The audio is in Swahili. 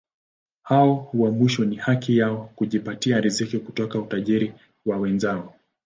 Hao wa mwisho ni haki yao kujipatia riziki kutoka utajiri wa wenzao.